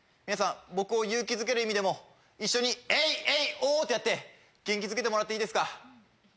皆さん僕を勇気づける意味でも一緒にエイエイオ！ってやって元気づけてもらっていいですか。